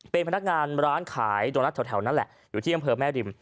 เป็นพนักงานร้านขายโดนัทแถวนั่นแหละอยู่ที่อำเภอแม่ริม